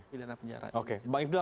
pidana penjara ini oke